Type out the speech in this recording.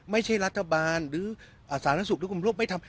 ไม่ใช่รัฐบาลหรืออ่าศาลนักศึกษ์ทุกขุมรวมไม่ทำ